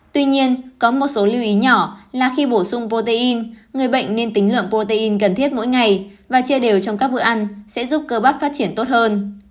tuy nhiên có một số lưu ý nhỏ là khi bổ sung protein người bệnh nên tính lượng protein cần thiết mỗi ngày và chia đều trong các bữa ăn sẽ giúp cơ bắp phát triển tốt hơn